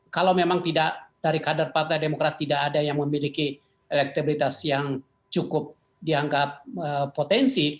kalau memang tidak dari kader partai demokrat tidak ada yang memiliki elektabilitas yang cukup dianggap potensi